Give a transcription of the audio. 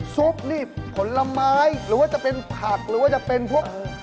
ซุปนี่ผลไม้หรือจะเป็นผักหรือพวก